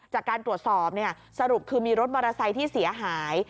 จากการตรวจสอบสรุปคือมีรถมอเตอร์ไซค์ที่เสียหาย